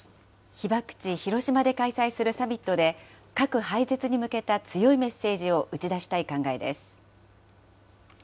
被爆地、広島で開催するサミットで、核廃絶に向けた強いメッセージを打ち出したい考えです。